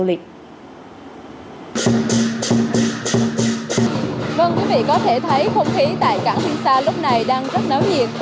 vâng quý vị có thể thấy không khí tại cảng vinh sa lúc này đang rất náo nhiệt